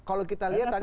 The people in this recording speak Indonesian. kalau kita lihat tadi